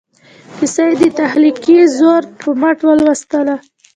کیسه یې د تخلیقي زور په مټ ولوسته.